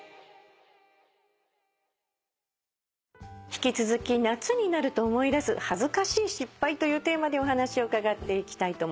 引き続き夏になると思い出す恥ずかしい失敗というテーマでお話を伺っていきたいと思います。